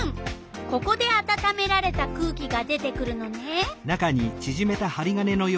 ここであたためられた空気が出てくるのね。